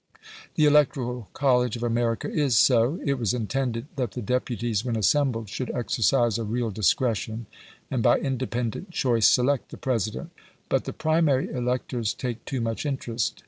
The Electoral College of America is so. It was intended that the deputies when assembled should exercise a real discretion, and by independent choice select the President. But the primary electors take too much interest.